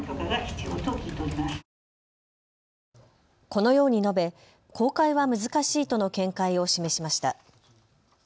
このように述べ公開は難しいとの見解を示しました。